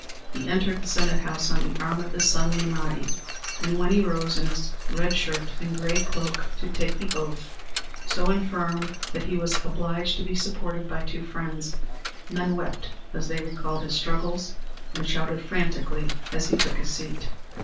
He entered the Senate House on the arm of his son Menotti, and when he rose in his red shirt and gray cloak to take the oath, so infirm that he was obliged to be supported by two friends, men wept as they recalled his struggles, and shouted frantically as he took his seat.